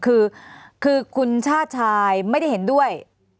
คือคือคุณช่าชายไม่ได้เห็นด้วย